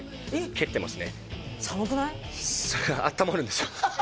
それがあったまるんですよ